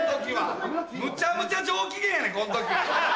むちゃむちゃ上機嫌やねんこん時。